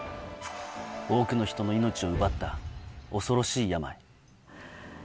多くの人の命を奪った恐ろしい病。